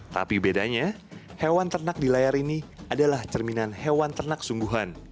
tapi bedanya hewan ternak di layar ini adalah cerminan hewan ternak sungguhan